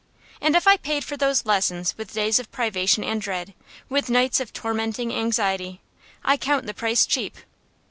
And if I paid for those lessons with days of privation and dread, with nights of tormenting anxiety, I count the price cheap.